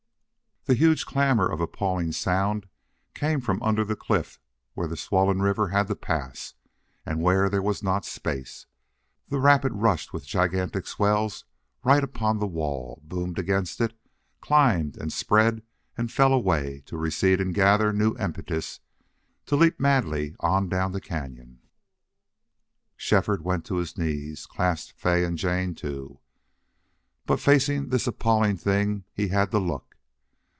The huge clamor of appalling sound came from under the cliff where the swollen river had to pass and where there was not space. The rapid rushed in gigantic swells right upon the wall, boomed against it, climbed and spread and fell away, to recede and gather new impetus, to leap madly on down the cañon. Shefford went to his knees, clasped Fay, and Jane, too. But facing this appalling thing he had to look.